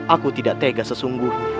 aku tidak tegas sesungguhnya